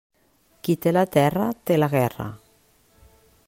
Qui té la terra, té la guerra.